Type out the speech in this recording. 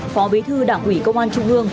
phó bí thư đảng ủy công an trung ương